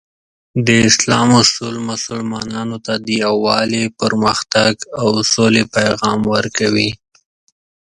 د اسلام اصول مسلمانانو ته د یووالي، پرمختګ، او سولې پیغام ورکوي.